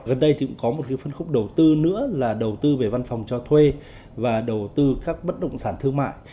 gần đây thì cũng có một phân khúc đầu tư nữa là đầu tư về văn phòng cho thuê và đầu tư các bất động sản thương mại